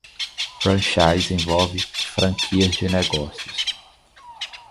Franchise envolve franquias de negócios.